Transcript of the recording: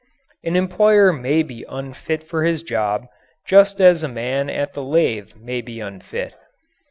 An employer may be unfit for his job, just as a man at the lathe may be unfit.